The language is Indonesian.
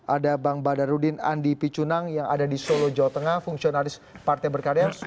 ada bang badarudin andi picunang yang ada di solo jawa tengah fungsionalis partai berkarya